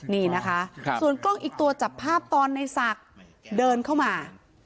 นี่นะคะส่วนกล้องอีกตัวจับภาพตอนในศักดิ์เดินเข้ามา